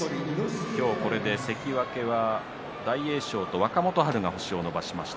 今日これで関脇は大栄翔と若元春が星を伸ばしました。